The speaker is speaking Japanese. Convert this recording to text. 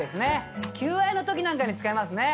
求愛のときなんかに使いますね。